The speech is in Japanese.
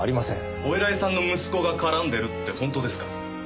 お偉いさんの息子が絡んでるって本当ですか？